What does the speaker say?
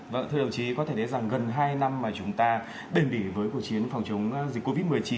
vâng thưa đồng chí có thể thấy rằng gần hai năm mà chúng ta bền bỉ với cuộc chiến phòng chống dịch covid một mươi chín